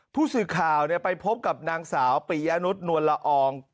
ผู้สื่อข่าวไปพบกับนางสาวปียะนุษย์นวลละออง